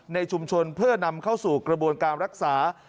ในชุมชนเพื่อนำเข้าสู่กระบวนการรักษา